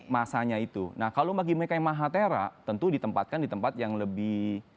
masanya itu nah kalau bagi mereka yang mahatera tentu ditempatkan di tempat yang lebih